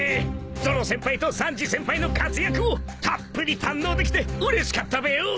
ゾロ先輩とサンジ先輩の活躍をたっぷり堪能できてうれしかったべよ。